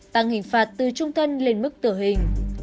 tăng hình phạt từ trung thân lên mức tử hình